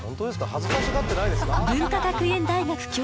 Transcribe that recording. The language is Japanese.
恥ずかしがってないですか？